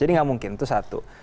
jadi nggak mungkin itu satu